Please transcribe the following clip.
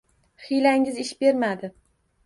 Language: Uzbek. Hiylangiz ish bermadi